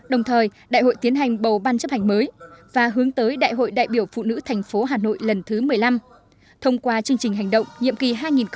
đồng thời đại hội tiến hành bầu ban chấp hành mới và hướng tới đại hội đại biểu phụ nữ thành phố hà nội lần thứ một mươi năm thông qua chương trình hành động nhiệm kỳ hai nghìn hai mươi hai nghìn hai mươi năm